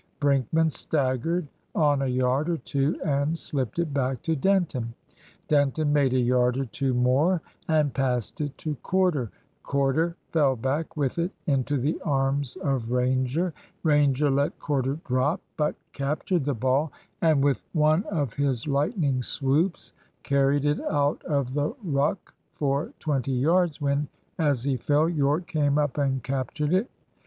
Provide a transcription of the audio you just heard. Brinkman staggered on a yard or two and slipped it back to Denton. Denton made a yard or two more and passed it to Corder. Corder fell back with it into the arms of Ranger. Ranger let Corder drop, but captured the ball, and with one of his lightning swoops carried it out of the ruck for twenty yards, when, as he fell, Yorke came up and captured it.